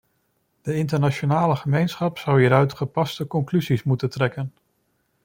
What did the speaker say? De internationale gemeenschap zou hieruit gepaste conclusies moeten trekken.